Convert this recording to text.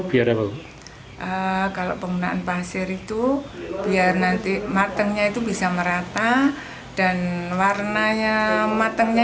biarkan kalau penggunaan pasir itu biar nanti matangnya itu bisa merata dan warnanya matangnya